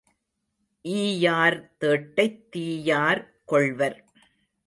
ஈயார் தேட்டைத் தீயார் கொள்வர்.